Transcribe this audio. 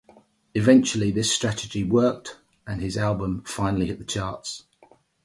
Eventually this strategy worked and his album finally hit the charts.